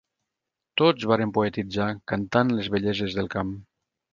Tots varen poetitzar, cantant les belleses del camp.